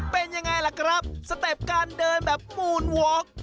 เป็นยังไงล่ะครับสเต็ปการเดินแบบปูนวอค